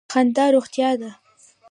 خندا روغتیا ده.